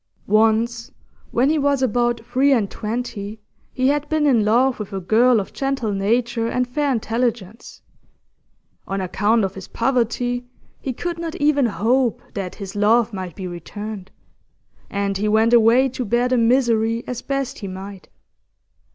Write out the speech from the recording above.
Once, when he was about three and twenty, he had been in love with a girl of gentle nature and fair intelligence; on account of his poverty, he could not even hope that his love might be returned, and he went away to bear the misery as best he might.